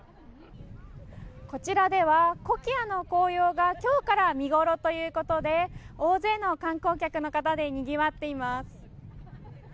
こちらではコキアの紅葉が今日から見ごろということで大勢の観光客の方でにぎわっています。